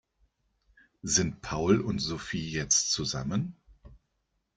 Sind Paul und Sophie jetzt zusammen?